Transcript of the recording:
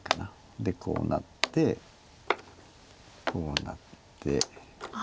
でこうなってこうなって。